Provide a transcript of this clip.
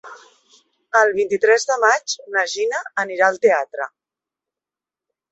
El vint-i-tres de maig na Gina irà al teatre.